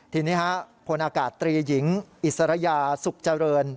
ทีนี้พลอากาศตรีหญิงอิสระยาสุขเจริญ